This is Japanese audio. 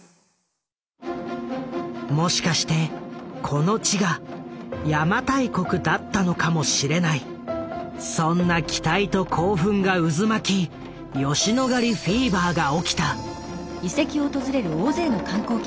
もしかしてこの地が邪馬台国だったのかもしれない⁉そんな期待と興奮が渦巻き吉野ヶ里フィーバーが起きた。